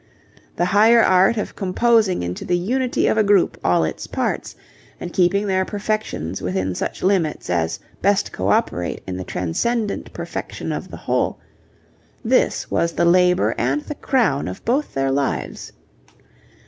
The higher art of composing into the unity of a group all its parts, and keeping their perfections within such limits as best co operate in the transcendent perfection of the whole this was the labour and the crown of both their lives.